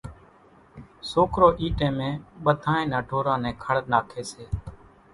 سوڪرو اِي ٽيمين ٻڌانئين نان ڍوران نين کڙ ناکي سي،